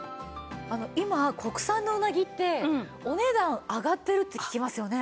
今国産のうなぎってお値段上がってるって聞きますよね。